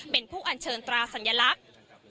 เป็นผู้อัญเชิญตราสัญลักษณ์